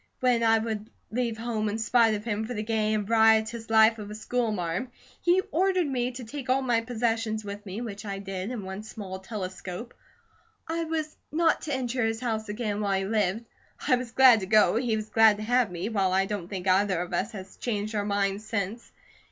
When I would leave home in spite of him for the gay and riotous life of a school marm, he ordered me to take all my possessions with me, which I did in one small telescope. I was not to enter his house again while he lived. I was glad to go, he was glad to have me, while I don't think either of us has changed our mind since.